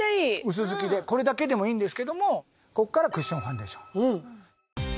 薄づきでこれだけでもいいんですけどもここからクッションファンデーション。